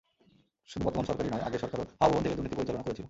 শুধু বর্তমান সরকারই নয়, আগের সরকারও হাওয়া ভবন থেকে দুর্নীতি পরিচালনা করেছিল।